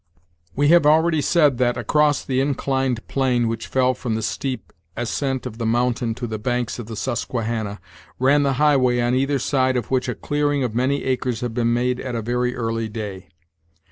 We have already said that, across the inclined plane which fell from the steep ascent of the mountain to the banks of the Susquehanna, ran the highway on either side of which a clearing of many acres had been made at a very early day.